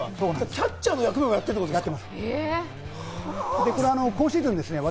キャッチャーの役目もやってるってことですか？